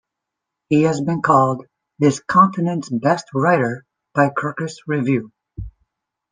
He has been called "this continent's best writer" by Kirkus Review.